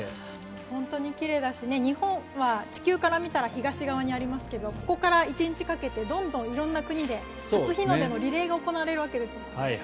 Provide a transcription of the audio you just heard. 本当に奇麗だし日本は地球から見たら東側にありますけどここから１日かけてどんどん色んな国で初日の出のリレーが行われるわけです。